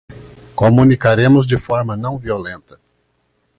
Comunicaremos de forma não violenta